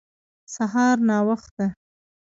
سهار ناوخته